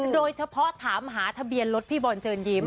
โดยเฉพาะถามหาทะเบียนรถพี่บอลเชิญยิ้ม